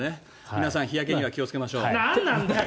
皆さん、日焼けには気をつけましょう。